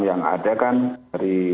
yang ada kan dari